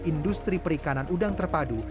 industri perikanan udang terpadu